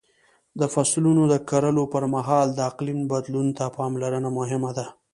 د فصلونو د کرلو پر مهال د اقلیم بدلون ته پاملرنه مهمه ده.